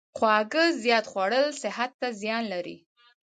خواږه زیات خوړل صحت ته زیان لري.